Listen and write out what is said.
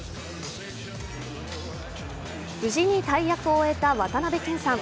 無事に大役を終えた渡辺謙さん。